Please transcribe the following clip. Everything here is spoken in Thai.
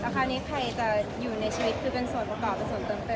ตอนนี้ใครจะอยู่ในชูแฟนเป็นส่วนประกอบเป็นส่วนเติมก็เดี๋ยวดูต่อไป